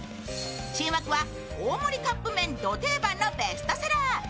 注目は、大盛りカップ麺ド定番のベストセラー。